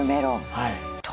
はい。